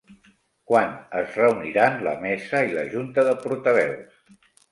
Quan es reuniran la mesa i la junta de portaveus?